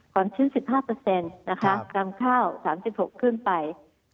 กว่า๑๕นะคะกรรมข้าว๓๖ขึ้นไป